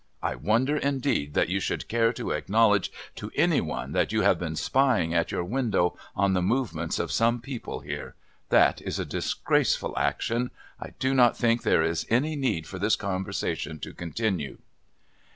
I wonder, indeed, that you should care to acknowledge to any one that you have been spying at your window on the movements of some people here. That is a disgraceful action. I do not think there is any need for this conversation to continue."